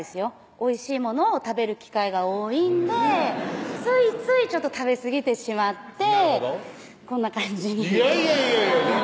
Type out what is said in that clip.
おいしいものを食べる機会が多いんでついつい食べすぎてしまってこんな感じにいえいえ